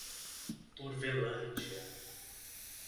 Turvelândia